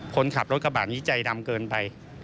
คนขับรถกระบะนี้ใจดำเกินไป